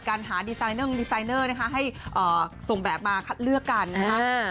การหานะคะให้เอ่อส่งแบบมาคัดเลือกกันนะคะ